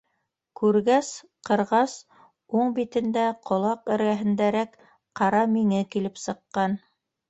- Күргәс, ҡырғас... уң битендә, ҡолаҡ эргәһендәрәк, ҡара миңе килеп сыҡҡан!